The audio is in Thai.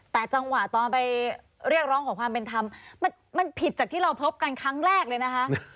แต่จังหวะตอนไปเรียกร้องขอความเป็นธรรมมันผิดจากที่เราพบกันครั้งแรกเลยนะคะ